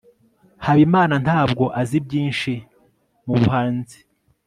habimana ntabwo azi byinshi mubuhanzi